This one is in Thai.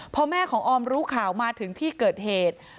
พอแม่ของออมรู้ข่าวมาถึงที่เกิดเหตุ